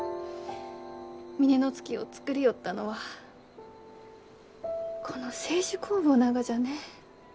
峰乃月を造りよったのはこの清酒酵母ながじゃね。